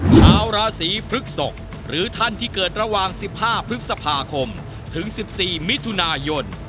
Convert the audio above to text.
ชาวราศีพฤกษกหรือท่านที่เกิดระหว่าง๑๕พฤษภาคมถึง๑๔มิถุนายน